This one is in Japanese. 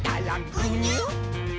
「ぐにゅっ！」